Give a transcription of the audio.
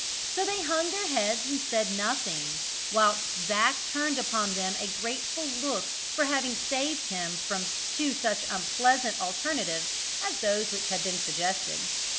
So they hung their heads and said nothing, whilst Zac turned upon them a grateful look for having saved him from two such unpleasant alternatives as those which had been suggested.